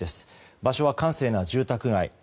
場所は閑静な住宅街。